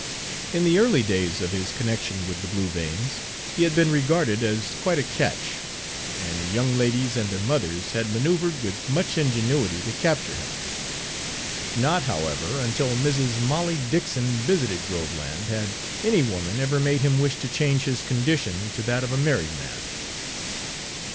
In the early days of his connection with the Blue Veins he had been regarded as quite a catch, and young ladies and their mothers had manoeuvred with much ingenuity to capture him. Not, however, until Mrs. Molly Dixon visited Groveland had any woman ever made him wish to change his condition to that of a married man.